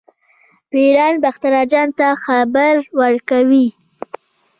پیریان باختر اجان ته خبر ورکوي.